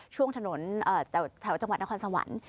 ช่วงถนนแถวจังหวัดนครสวรรค์